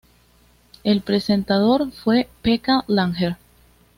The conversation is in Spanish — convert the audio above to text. El presentador fue Pekka Langer.